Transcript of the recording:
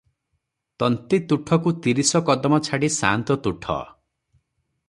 ତନ୍ତୀତୁଠକୁ ତିନିଶ କଦମ ଛାଡ଼ି ସାଆନ୍ତ ତୁଠ ।